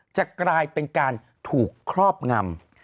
จะกลายเป็นการถูกครอบงำ